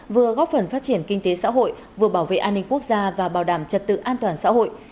vừa góp phần phát triển kinh tế xã hội vừa bảo vệ an ninh quốc gia và bảo đảm trật tự an toàn xã hội